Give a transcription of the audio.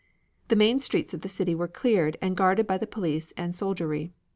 The main streets of the city were cleared and guarded by the police and soldiery.